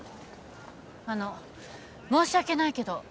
あの申し訳ないけどあなたは。